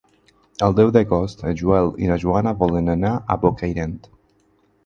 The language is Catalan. El deu d'agost en Joel i na Joana volen anar a Bocairent.